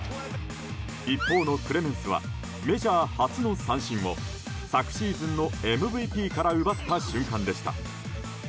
一方のクレメンスはメジャー初の三振を昨シーズンのＭＶＰから奪った瞬間でした。